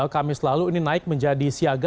kamis lalu ini naik menjadi siaga